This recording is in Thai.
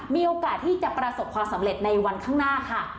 มีโอกาสที่จะประสบความสำเร็จในวันข้างหน้าค่ะ